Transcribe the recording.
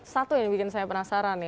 satu yang bikin saya penasaran nih